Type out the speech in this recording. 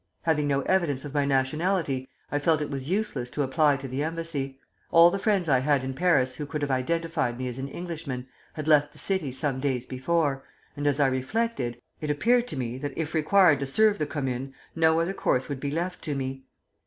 Having no evidence of my nationality, I felt it was useless to apply to the Embassy; all the friends I had in Paris who could have identified me as all Englishman had left the city some days before, and as I reflected, it appeared to me that if required to serve the Commune, no other course would be left to me.